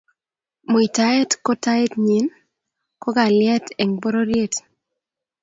muitaet ko taet nyi ko kalyet eng pororiet